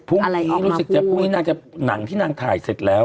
พรุ่งนี้น่าจะหนังที่นางถ่ายเสร็จแล้ว